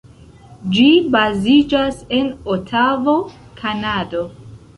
Ĝi baziĝas en Otavo, Kanado.